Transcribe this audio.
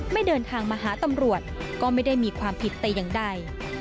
เดินทางมาหาตำรวจก็ไม่ได้มีความผิดแต่อย่างใด